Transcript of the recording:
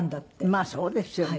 まあそうですよね。